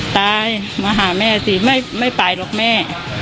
ตายมาหาแม่สิไม่ไปหรอกแม่